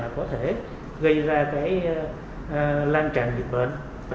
tổ chức cho khu lưu trú